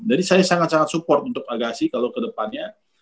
jadi saya sangat sangat support untuk agassi kalau ke depannya